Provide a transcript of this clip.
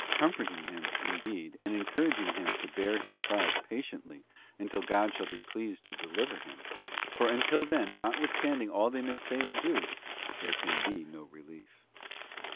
comforting him, indeed, and encouraging him to bear his trials patiently until God shall be pleased to deliver him; for until then, notwithstanding all they may say or do, there can be no relief.